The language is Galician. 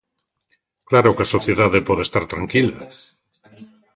¡Claro que a sociedade pode estar tranquila!